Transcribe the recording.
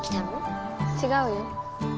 ちがうよ。